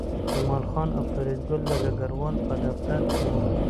جمال خان او فریدګل د ډګروال په دفتر کې وو